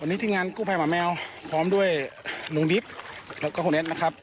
วันนี้ทีมงานกู้ภัยหมาแมวพร้อมด้วยลุงดิบแล้วก็คุณเอ็ดนะครับ